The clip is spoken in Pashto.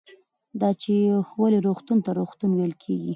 دا چې ولې روغتون ته روغتون ویل کېږي